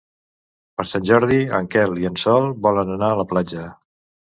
Per Sant Jordi en Quel i en Sol volen anar a la platja.